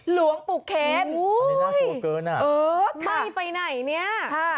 หลวงปุกเค็มอู๊ยฮึออออไม่ไปไหนเนี่ยค่ะ